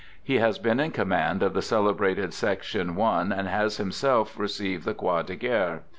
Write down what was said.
He has been in command of the celebrated Section I, and has himself received the Croix de Guerre.